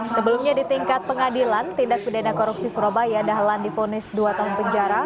sebelumnya di tingkat pengadilan tindak pidana korupsi surabaya dahlan difonis dua tahun penjara